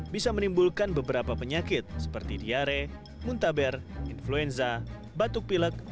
bisa menimbulkan beberapa penyakit seperti diare muntaber influenza batuk pilek